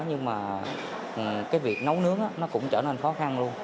nhưng mà cái việc nấu nước nó cũng trở nên khó khăn luôn